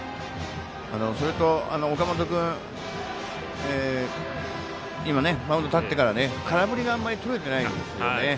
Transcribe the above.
それと岡本君マウンドに立ってから空振りがあんまりとれてないんですよね。